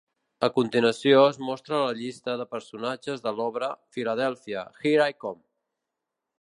A continuació es mostra la llista de personatges de l'obra "Philadelphia, Here I Come!".